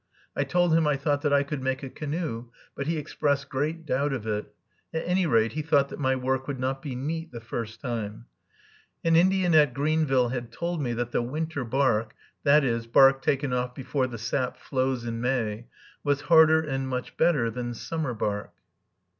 I told him I thought that I could make a canoe, but he expressed great doubt of it; at any rate, he thought that my work would not be "neat" the first time. An Indian at Greenville had told me that the winter bark, that is, bark taken off before the sap flows in May, was harder and much better than summer bark.